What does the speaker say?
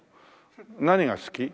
何が好き？